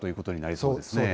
そうですね。